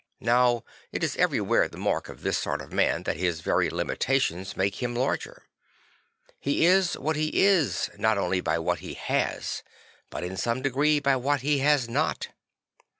Now it is everywhere the mark of this sort of man that his very limitations make him larger. He is what he is, not only by what he has, but in some degree by what he has not.